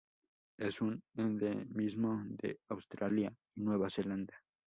Es un endemismo de Australia y Nueva Zelanda.